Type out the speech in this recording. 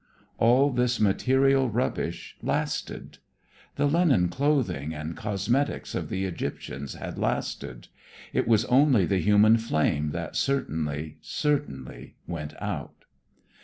All this material rubbish lasted. The linen clothing and cosmetics of the Egyptians had lasted. It was only the human flame that certainly, certainly went out.